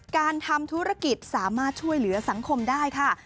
การทำธุรกิจสามารถช่วยเหลือสังคมได้ค่ะ